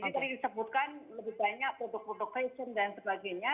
jadi tadi disebutkan lebih banyak produk produk fashion dan sebagainya